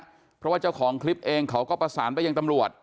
เพราะว่าเจ้าของคลิปเองเขาก็ประสานไปยังตำรวจ